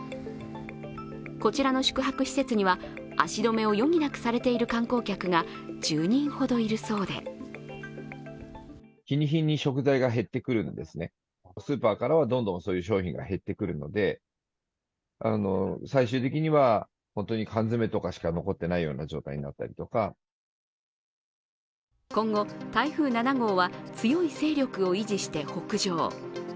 こちらの宿泊施設には、足止めを余儀なくされている観光客が１０人ほどいるそうで今後、台風７号は強い勢力を維持して北上。